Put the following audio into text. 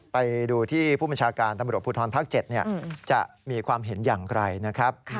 ไปดูที่ผู้บัญชาการตำรวจภูทรภาค๗จะมีความเห็นอย่างไรนะครับ